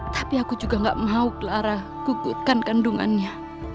tapi aku juga gak mau clara kukutkan kandungannya